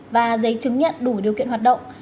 và giấy chứng nhận đủ điều kiện hoạt động